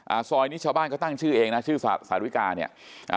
ซอยนี้ชาวบ้านเขาตั้งชื่อเองนะชื่อสาริกาเนี่ยอ่า